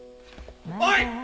おい！